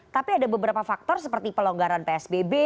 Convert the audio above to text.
tapi ada beberapa faktor seperti pelonggaran psbb